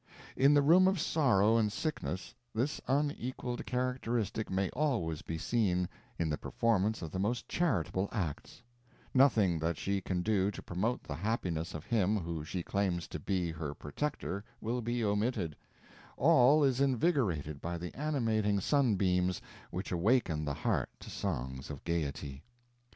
In the room of sorrow and sickness, this unequaled characteristic may always been seen, in the performance of the most charitable acts; nothing that she can do to promote the happiness of him who she claims to be her protector will be omitted; all is invigorated by the animating sunbeams which awaken the heart to songs of gaiety.